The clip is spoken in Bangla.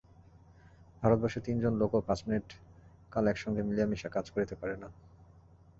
ভারতবর্ষে তিন জন লোকও পাঁচ মিনিট কাল একসঙ্গে মিলিয়া মিশিয়া কাজ করিতে পারে না।